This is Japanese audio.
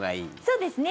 そうですね。